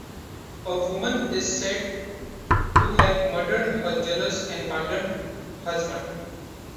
A woman is said to have murdered her jealous and violent husband.